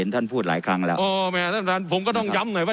ท่านพูดหลายครั้งแล้วอ๋อแม่ท่านผมก็ต้องย้ำหน่อยว่า